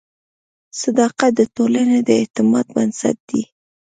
صداقت د ټولنې د اعتماد بنسټ دی.